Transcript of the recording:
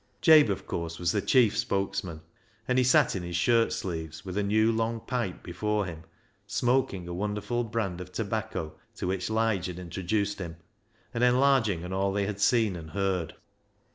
Jabe, of course, was the chief spokesman, and he sat in his shirt sleeves with a new long pipe before him, smoking a wonderful brand of tobacco to which Lige had introduced him, and enlarging on all they had seen and heard.